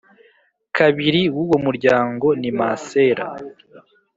kabiri w uwo muryango ni Masera